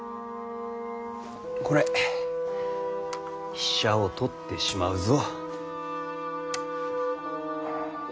ほれ飛車を取ってしまうぞ。